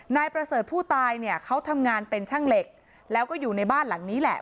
นายประเสริฐผู้ตายเนี่ยเขาทำงานเป็นช่างเหล็กแล้วก็อยู่ในบ้านหลังนี้แหละ